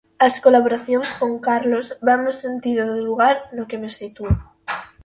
As colaboracións con Carlos van no sentido do lugar no que me sitúo.